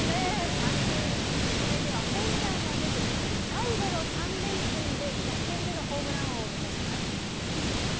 ３０日の試合ではホームランは出ず、最後の３連戦で逆転でのホームラン王を目指します。